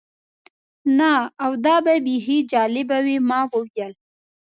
نه، او دا به بیخي جالبه وي. ما وویل.